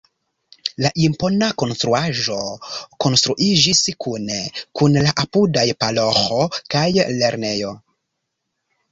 La impona konstruaĵo konstruiĝis kune kun la apudaj paroĥo kaj lernejo.